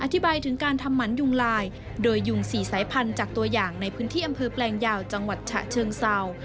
อธิบายถึงการทำหมันยุงลายโดยยุง๔สายพันธุ์จากตัวอย่างในพื้นที่อำเภอแปลงยาวจังหวัดฉะเชิงเศร้า